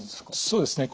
そうですね。